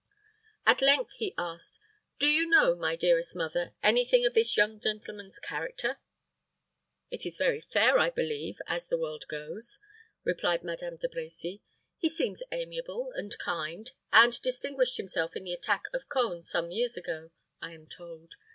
At length he asked, "Do you know, my dearest mother, any thing of this young gentleman's character?" "It is very fair, I believe, as the world goes," replied Madame De Brecy. "He seems amiable and kind, and distinguished himself in the attack of Cone some years ago, I am told.